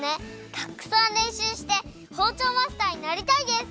たっくさんれんしゅうしてほうちょうマスターになりたいです！